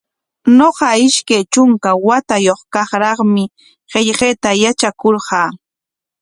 Ñuqa ishkay trunka watayuq karraqmi qillqayta yatrakurqaa.